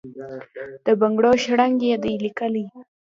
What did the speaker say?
د بنګړو شرنګ یې دی لېکلی،